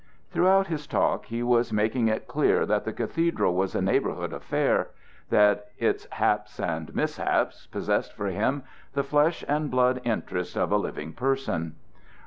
Throughout his talk he was making it clear that the cathedral was a neighborhood affair; that its haps and mishaps possessed for him the flesh and blood interest of a living person.